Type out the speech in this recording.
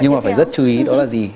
nhưng mà phải rất chú ý đó là gì